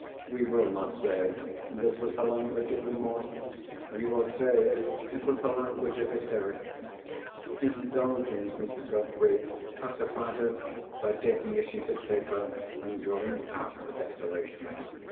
We will not say this was the language of remorse—we will say it was the language of hysterics. Indulgent Mr. Godfrey pacified her by taking a sheet of paper, and drawing out the declaration.